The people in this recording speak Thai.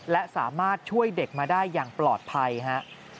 และสามารถช่วยเด็กมาได้อย่างปลอดภัยฮะ